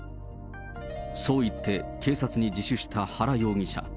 そう言って、警察に自首した原容疑者。